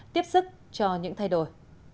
tiếp sức cho những thay đổi